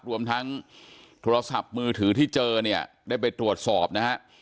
รวมทั้งโทรศัพท์มือถือที่เจอเนี่ยได้ไปตรวจสอบนะฮะ